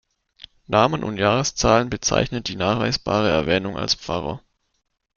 Namen und Jahreszahlen bezeichnen die nachweisbare Erwähnung als Pfarrer.